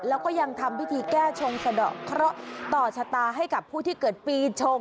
แล้วก็ยังทำพิธีแก้ชงสะดอกเคราะห์ต่อชะตาให้กับผู้ที่เกิดปีชง